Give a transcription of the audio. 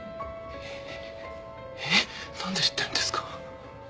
えっなんで知ってるんですか？